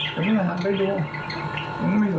ผมก็หันไปดูผมก็ไม่สนใจแล้วผมก็เดินต่อไป